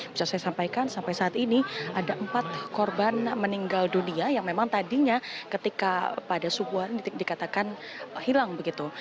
bisa saya sampaikan sampai saat ini ada empat korban meninggal dunia yang memang tadinya ketika pada subuhan dikatakan hilang begitu